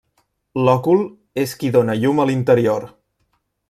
L'òcul és qui dóna llum a l'interior.